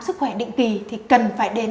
sức khỏe định kỳ thì cần phải đến